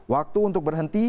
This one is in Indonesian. waktu untuk berhenti